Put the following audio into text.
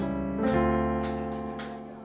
kini ida tengah berbahagia menikmati kursi roda